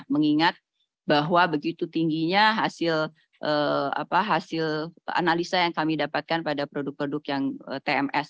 mengingat bahwa begitu tingginya hasil analisa yang kami dapatkan pada produk produk yang tms